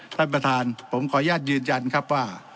ท่านประธานผมขออนุญาตยืนยันครับว่า